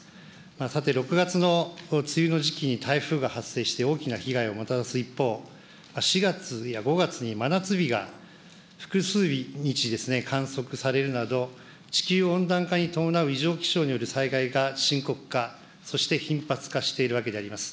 さて、６月の梅雨の時期に台風が発生して大きな被害をもたらす一方、４月や５月に真夏日が複数日観測されるなど、地球温暖化に伴う異常気象による災害が深刻化、そして頻発化しているわけであります。